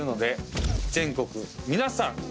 全国皆さん